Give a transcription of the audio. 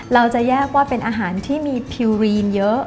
เราจะแยกว่าเป็นอาหารที่มีพิวรีนเยอะ